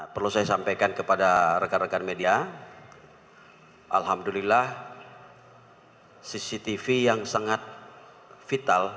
perlu saya sampaikan kepada rekan rekan media alhamdulillah cctv yang sangat vital